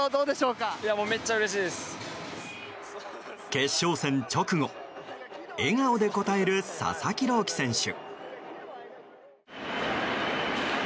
決勝戦直後笑顔で答える佐々木朗希選手。